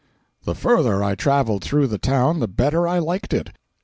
455.jpg (98K) The further I traveled through the town the better I liked it.